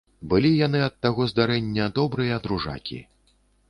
Былі яны ад таго здарэння добрыя дружакі.